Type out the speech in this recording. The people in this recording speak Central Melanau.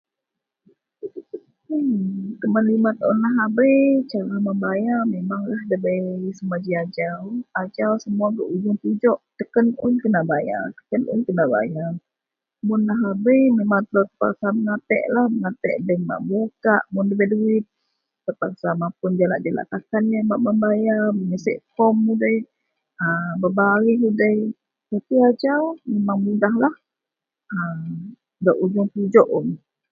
Keman lima tahun lahabei membayar bak ji ajau ajau tekan gak ujung tujok semua kena bayar mun lahabei telo terpaksa mengatik bank bak buka. Mun debai duit terpaksa mapun jalak jalak takan mengisi form udei berbaris udei tapi ajau memang mudahlah gak utung tujuk min.